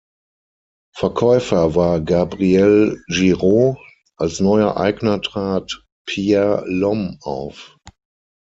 Verkäufer war Gabriel Giraud; als neuer Eigner trat Pierre L’Homme auf.